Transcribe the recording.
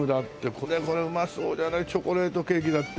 これこれうまそうじゃないチョコレートケーキだって。